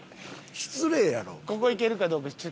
失礼やろ。